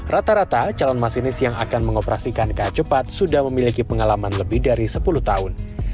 rata rata calon masinis yang akan mengoperasikan ka cepat sudah memiliki pengalaman lebih dari sepuluh tahun